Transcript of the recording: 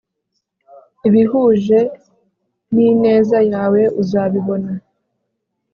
ibihuje nineza yawe uzabibona